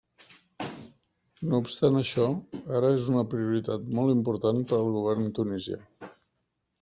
No obstant això, ara és una prioritat molt important per al govern tunisià.